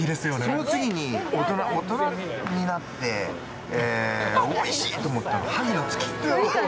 その次に、大人になっておいしいと思ったのは、萩の月。